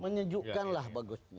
menyejukkan lah bagusnya